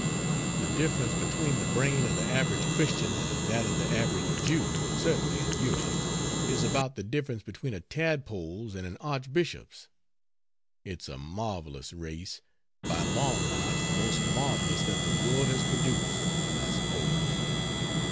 The difference between the brain of the average Christian and that of the average Jew certainly in Europe is about the difference between a tadpole's and an Archbishop's. It's a marvelous, race by long odds the most marvelous that the world has produced, I suppose.